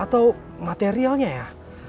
atau materialnya ya